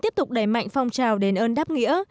tiếp tục đẩy mạnh phong trào đền ơn đáp nghĩa